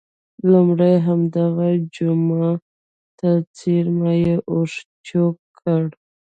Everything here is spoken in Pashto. لومړی همدغه جوما ته څېرمه یې اوښ چوک کړ.